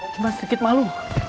cuma sedikit malu